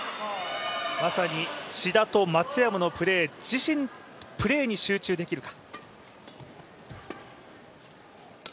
まさに志田と松山の自身のプレーに集中できるか。